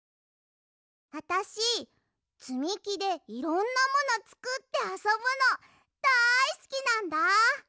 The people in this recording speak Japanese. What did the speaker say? あたしつみきでいろんなものつくってあそぶのだいすきなんだ！